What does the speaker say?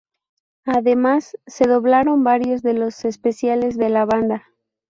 Además, se doblaron varios de los especiales de la banda.